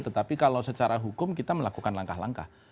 tetapi kalau secara hukum kita melakukan langkah langkah